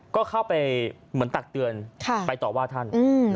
ก็เข้าไปเหมือนตักเตือนไปต่อว่าท่าน